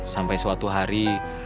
sampai suatu hari